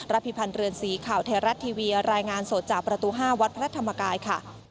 พิพันธ์เรือนสีข่าวไทยรัฐทีวีรายงานสดจากประตู๕วัดพระธรรมกายค่ะ